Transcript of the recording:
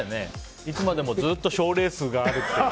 いつまでもずっと賞レースがあるっていう。